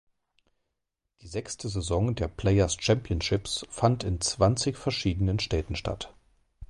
Die sechste Saison der Players Championships fand in zwanzig verschiedenen Städten statt.